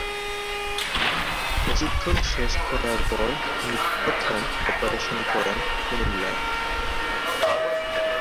প্রশিক্ষণ শেষ করার পর তিনি প্রথম অপারেশন করেন কুমিল্লায়।